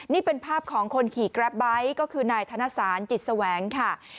นี่เป็นภาพของคนขี่แกรปไบท์ก็คือนายธนสารจิตแสวงค่ะ